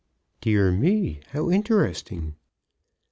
"Dear me; how interesting!"